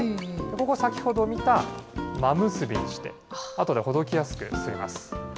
ここ、先ほど見た真結びにして、あとでほどきやすくします。